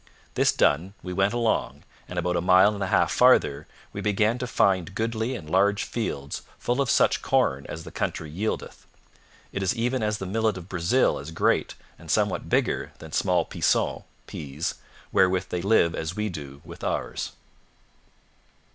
This done, we went along, and about a mile and a half farther, we began to find goodly and large fields full of such corn as the country yieldeth. It is even as the millet of Brazil as great and somewhat bigger than small peason [peas], wherewith they live as we do with ours.